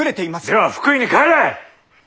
では福井に帰れ！